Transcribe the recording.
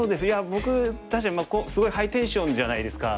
僕すごいハイテンションじゃないですか。